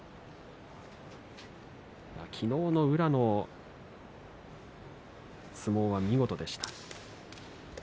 昨日の宇良の相撲は見事でした。